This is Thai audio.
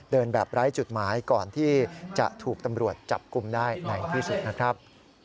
เดินแบบไร้จุดหมายก่อนที่จะถูกตำรวจจับกลุ่มได้ในที่สุดนะครับ